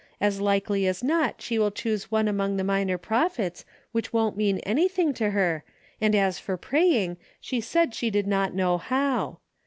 As likely as not, she will choose one among the minor prophets, which won't mean anything to her, and as for praying, she said she did not know how.